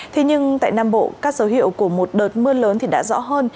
thế nhưng tại nam bộ các dấu hiệu của một đợt mưa lớn thì đã rõ hơn